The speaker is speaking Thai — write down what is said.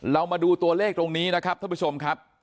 เรามาดูตัวเลขตรงนี้นะครับท่านผู้ชมครับ